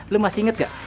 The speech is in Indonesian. lu masih ingat gak